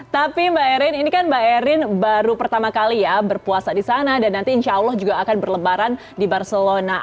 tapi mbak erin ini kan mbak erin baru pertama kali ya berpuasa di sana dan nanti insya allah juga akan berlebaran di barcelona